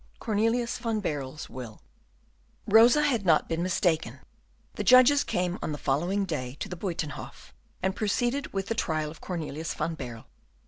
Cornelius van Baerle's Will Rosa had not been mistaken; the judges came on the following day to the Buytenhof, and proceeded with the trial of Cornelius van Baerle.